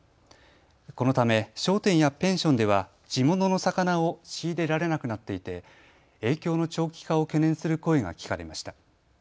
このため商店やペンションでは地物の魚を仕入れられなくなっていて影響の長期化を懸念する声が聞かれました。